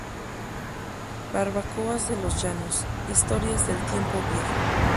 Barbacoas de los llanos, Historias del tiempo viejo.